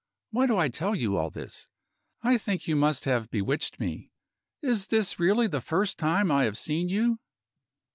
Why do I tell you all this? I think you must have bewitched me. Is this really the first time I have seen you?"